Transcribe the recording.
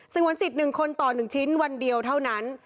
งวนสิทธิ์๑คนต่อ๑ชิ้นวันเดียวเท่านั้น